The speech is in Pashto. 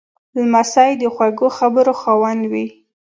لمسی د خوږو خبرو خاوند وي.